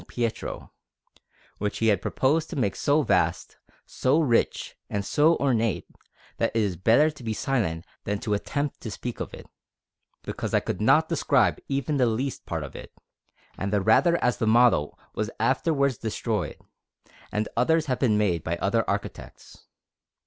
Pietro, which he had proposed to make so vast, so rich, and so ornate, that it is better to be silent than to attempt to speak of it, because I could not describe even the least part of it, and the rather as the model was afterwards destroyed, and others have been made by other architects.